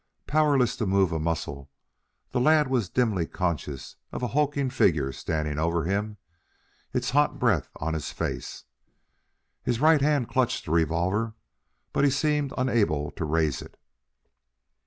Powerless to move a muscle, the lad was dimly conscious of a hulking figure standing over him, its hot breath on his face. His right hand clutched the revolver, but he seemed unable to raise it.